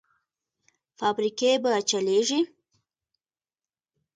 فابریکې به چلېږي؟